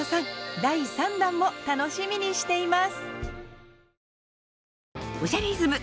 第３弾も楽しみにしています